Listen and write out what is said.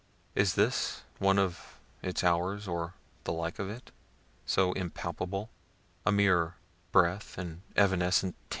Is this one of its hours, or the like of it? so impalpable a mere breath, an evanescent tinge?